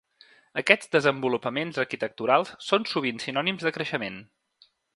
Aquests desenvolupaments arquitecturals són sovint sinònims de creixement.